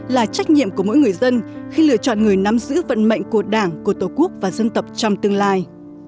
là trách nhiệm của mỗi người dân khi lựa chọn người nắm giữ vận mệnh của đảng của tổ quốc và dân tộc trong tương lai